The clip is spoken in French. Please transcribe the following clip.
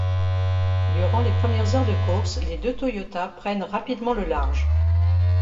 Durant les premières heures de course, les deux Toyota prennent rapidement le large.